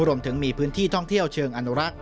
รวมถึงมีพื้นที่ท่องเที่ยวเชิงอนุรักษ์